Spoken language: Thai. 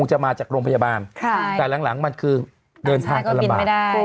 คงจะมาจากโรงพยาบาลค่ะแต่หลังหลังมันคือเดินทางคันละบาด